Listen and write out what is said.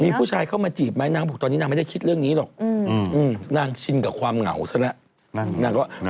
มีผู้ชายเข้ามาจีบไหมนางก็บอกตอนนี้นางไม่ได้คิดเรื่องนี้หรอกนางชินกับความเหงาซะแล้ว